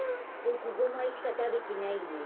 ボク５まいしかたべてないよ。